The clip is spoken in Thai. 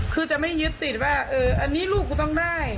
คือจะไม่ยึดติดว่าอันนี้ลูกกูต้องได้